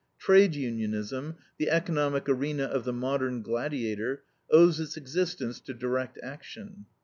Trade unionism, the economic arena of the modern gladiator, owes its existence to direct action.